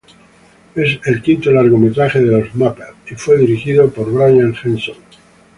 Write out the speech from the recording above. Es el quinto largometraje de Los Muppets y fue dirigida por Brian Henson.